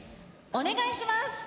お願いします！